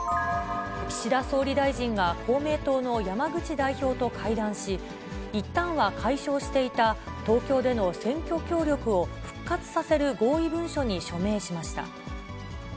岸田総理大臣が公明党の山口代表と会談し、いったんは解消していた東京での選挙協力を復活させる合意文書に署名しました。